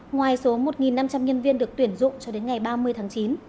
ngoài số một năm trăm linh nhân viên được tuyển dụng cho đến ngày ba mươi tháng chín